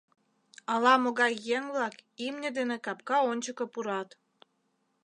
Ала-могай еҥ-влак имне дене капка ончыко пурат.